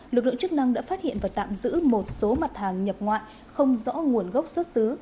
lực lượng chức năng đã phát hiện và tạm giữ một số mặt hàng nhập ngoại không rõ nguồn gốc xuất xứ